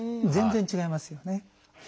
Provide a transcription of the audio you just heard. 全然違いますよね。